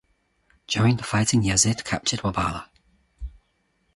During the fighting Yazid captured Wabara.